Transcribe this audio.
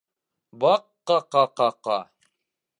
Баҡ-ҡа-ҡа-ҡа.